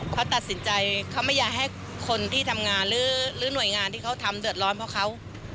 เขาตัดสินใจเขาไม่อยากให้คนที่ทำงานหรือหน่วยงานที่เขาทำเดือดร้อนเพราะเขา